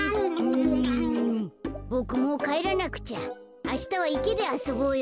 ボクもうかえらなくちゃ。あしたはいけであそぼうよ。